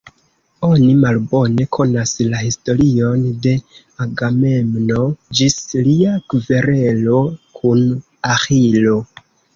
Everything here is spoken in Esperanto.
Oni malbone konas la historion de Agamemno ĝis lia kverelo kun Aĥilo.